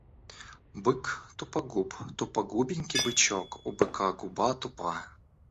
Бык тупогуб, тупогубенький бычок, у быка губа тупа.